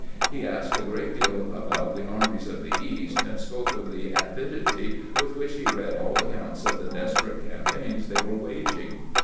He asked a great deal about the armies of the East, and spoke of the avidity with which he read all accounts of the desperate cam paigns they were waging.